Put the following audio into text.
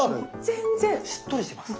しっとりしてます。